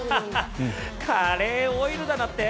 カレーオイルだって？